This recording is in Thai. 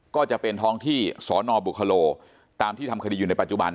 ก็จะเป็นท้องที่สนบุคโลตามที่ทำคดีอยู่ในปัจจุบัน